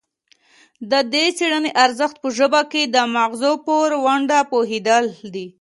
د دې څیړنې ارزښت په ژبه کې د مغزو پر ونډه پوهیدل دي